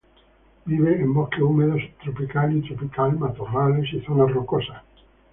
Vive en bosque húmedo subtropical y tropical, matorrales y zonas rocosas.